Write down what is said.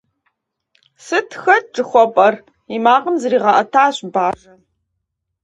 Сыт хэт жыхуэпӀэр?! - и макъым зригъэӀэтащ бажэм.